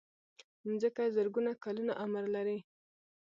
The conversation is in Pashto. مځکه زرګونه کلونه عمر لري.